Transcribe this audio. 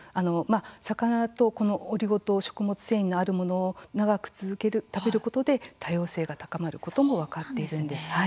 魚とこのオリゴ糖食物繊維のあるものを長く続ける、食べることで多様性が高まることも分かっているんです。